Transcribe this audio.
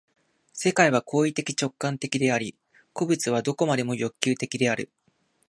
世界は行為的直観的であり、個物は何処までも欲求的である。